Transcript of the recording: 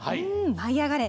「舞いあがれ！」